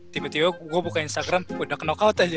tiba tiba gue buka instagram udah ke knock out aja